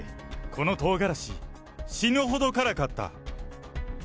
このとうがらし、死ぬほど辛かった。